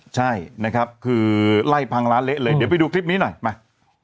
ใช่นะครับคือไล่พังร้านเละเลยเดี๋ยวไปดูคลิปนี้หน่อยมา